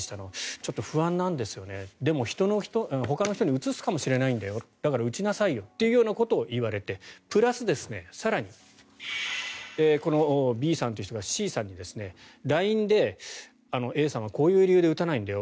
ちょっと不安なんですよねでもほかの人にうつすかもしれないんだよだから打ちなさいよということを言われてプラス、更にこのＢさんという人がＣさんにＬＩＮＥでＡさんはこういう理由で打たないんだよ